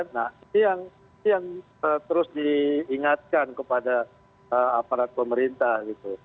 nah ini yang terus diingatkan kepada aparat pemerintah gitu